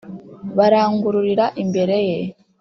barangururira imbere ye.